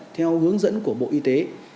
theo hướng dẫn của bộ y tế